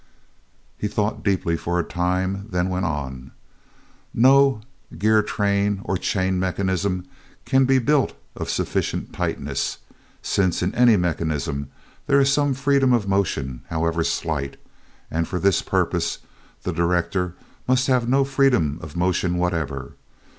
He thought deeply for a time, then went on: "No gear train or chain mechanism can be built of sufficient tightness, since in any mechanism there is some freedom of motion, however slight, and for this purpose the director must have no freedom of motion whatever.